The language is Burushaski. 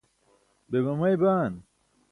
be mamay baan?